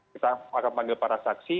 kita akan panggil para saksi